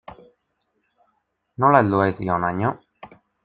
Nola heldu haiz hi honaino?